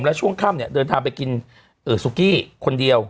แล้วช่วงค่ำเนี่ยเดินทางไปกินซูกี้คนเดียว